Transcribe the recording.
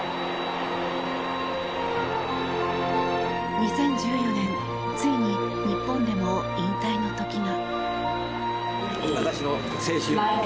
２０１４年ついに日本でも引退の時が。